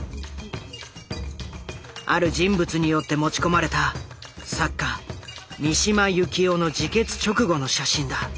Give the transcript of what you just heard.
ある人物によって持ち込まれた作家三島由紀夫の自決直後の写真だ。